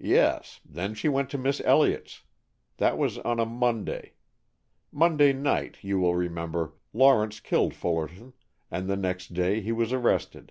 "Yes. Then she went to Miss Elliott's. That was on a Monday. Monday night, you will remember, Lawrence killed Fullerton, and the next day he was arrested.